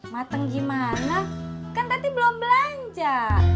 mateng gimana kan berarti belum belanja